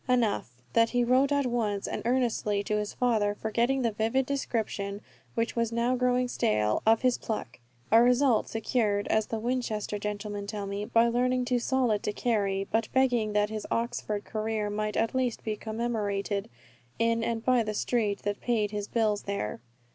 Enough, that he wrote at once and earnestly to his father, forgetting the vivid description, which was now growing stale, of his pluck a result secured, as the Winchester gentlemen tell me, by learning too solid to carry but begging that his Oxford career might at least be commemorated in and by the street that paid his bills there.